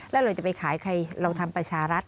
แล้วเราจะไปขายใครเราทำประชารัฐ